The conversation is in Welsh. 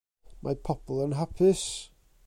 Mae pobl yn hapus.